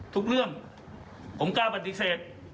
ทุกเรื่องผมกล้าปฏิเสธ